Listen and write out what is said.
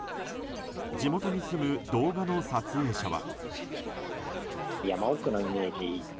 地元に住む動画の撮影者は。